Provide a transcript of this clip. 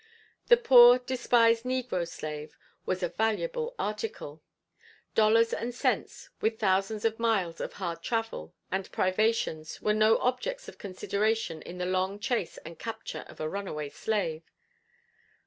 The poor despised negro slave was a valuable article. Dollars and cents with thousands of miles of hard travel and privations were no objects of consideration in the long chase and capture of a runaway slave.